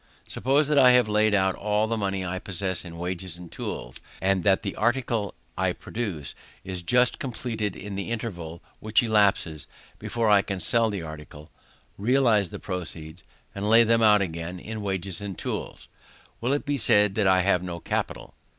Suppose that I have laid out all the money I possess in wages and tools, and that the article I produce is just completed: in the interval which elapses before I can sell the article, realize the proceeds, and lay them out again in wages and tools, will it be said that I have no capital?